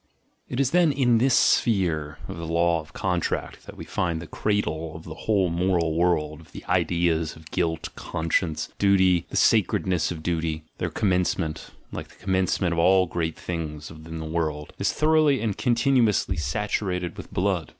It is then in this sphere of the law of contract that we find the cradle of the whole moral world of the ideas of "guilt," "conscience," "duty," the "sacredness of duty," — their commencement, like the commencement of all great things in the world, is thoroughly and continuously saturated with blood.